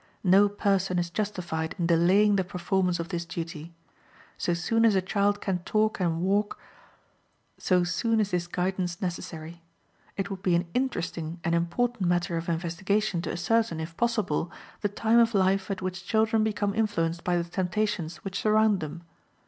No person is justified in delaying the performance of this duty. So soon as a child can talk and walk, so soon is this guidance necessary. It would be an interesting and important matter of investigation to ascertain, if possible, the time of life at which children become influenced by the temptations which surround them.